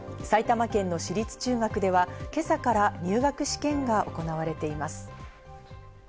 埼玉県の私立中学では今朝から入学試験が行われています。